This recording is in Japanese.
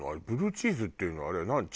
ブルーチーズっていうのはあれは何？